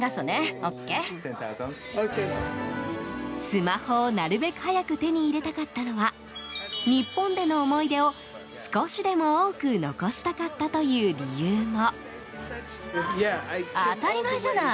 スマホを、なるべく早く手に入れたかったのは日本での思い出を、少しでも多く残したかったという理由も。